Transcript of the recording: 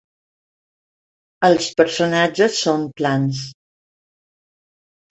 Els personatges són plans.